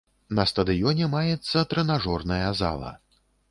На стадыёне маецца трэнажорная зала.